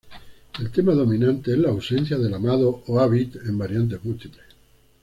El tema dominante es la ausencia del amado o "habib" en variantes múltiples.